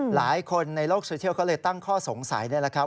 หลายคนในโลกโซเชียลก็เลยตั้งข้อสงสัยนี่แหละครับ